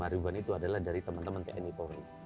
lima ribuan itu adalah dari teman teman tni polri